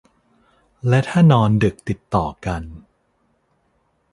และถ้านอนดึกติดต่อกัน